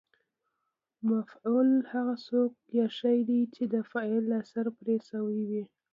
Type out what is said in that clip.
مفعول هغه څوک یا شی دئ، چي د فعل اثر پر سوی يي.